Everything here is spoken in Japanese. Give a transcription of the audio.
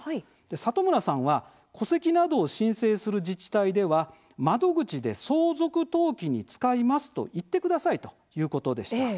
里村さんは戸籍などを申請する自治体では窓口で相続登記に使いますと言ってくださいということでした。